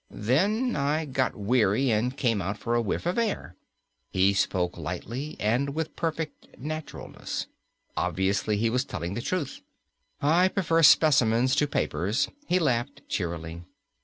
Then I got weary and came out for a whiff of air." He spoke lightly and with perfect naturalness. Obviously he was telling the truth. "I prefer specimens to papers," he laughed cheerily.